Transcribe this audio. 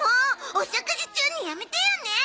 お食事中にやめてよね！